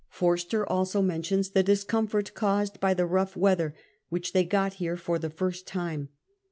Forster also mentions the dis comfort caused by the rough weather, which they got here for the first time.